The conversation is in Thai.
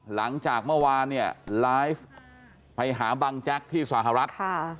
หลังจากเมื่อวานเนี่ยไลฟ์ไปหาบังแจ๊กที่สหรัฐ